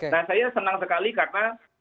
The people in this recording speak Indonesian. nah saya senang sekali karena